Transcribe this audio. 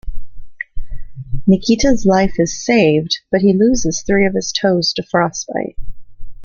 Nikita's life is saved, but he loses three of his toes to frostbite.